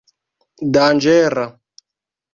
danĝera